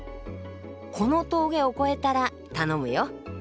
この峠を越えたら頼むよ。